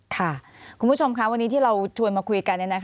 ค่ะคุณผู้ชมค่ะวันนี้ที่เราชวนมาคุยกัน